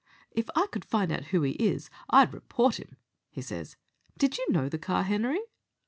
'If I could find out who he is, I'd report him,' he says. 'Did you know the car, Henery?'